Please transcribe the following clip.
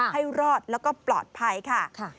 ให้รอดแล้วก็ปลอดภัยค่ะ